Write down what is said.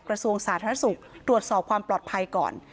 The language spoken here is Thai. กระทรวงสาธารณสุขตรวจสอบความปลอดภัยก่อน